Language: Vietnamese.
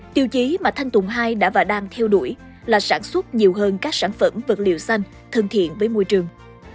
tiêu chí mà thanh tùng hai đã và đang theo đuổi là sản xuất nhiều hơn các sản phẩm vật liệu xanh thân thiện với môi trường